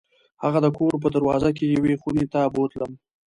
هغه د کور په دروازه کې یوې خونې ته بوتلم.